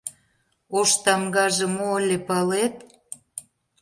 — Ош тамгаже мо ыле, палет?